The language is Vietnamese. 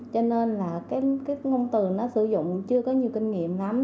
cho nên là cái ngôn tường nó sử dụng chưa có nhiều kinh nghiệm lắm